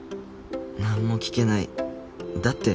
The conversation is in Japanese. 何も聞けないだって